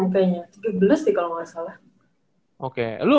kayaknya dua belas sih kalau gak salah